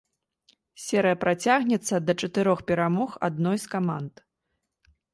Серыя працягнецца да чатырох перамог адной з каманд.